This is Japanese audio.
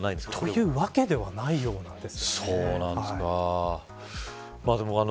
というわけではないようです。